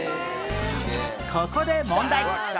ここで問題